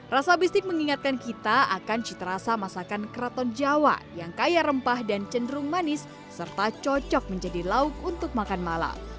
rasa bistik mengingatkan kita akan cita rasa masakan keraton jawa yang kaya rempah dan cenderung manis serta cocok menjadi lauk untuk makan malam